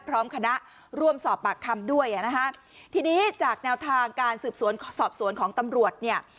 พร้อมคณะร่วมสอบปากคำด้วยอ่ะนะคะทีนี้จากแนวทางการสืบสวนสอบสวนของตำรวจเนี่ย